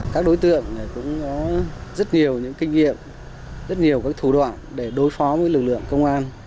các đối tượng cũng có rất nhiều những kinh nghiệm rất nhiều các thủ đoạn để đối phó với lực lượng công an